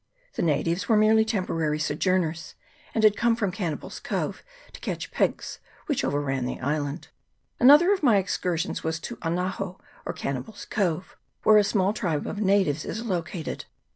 The natives were merely temporary sojourners, and had come from Cannibals' Cove to catch pigs, which overrun the island. Another of my excursions was to Anaho, or Can nibals' Cove, where a small tribe of natives is located.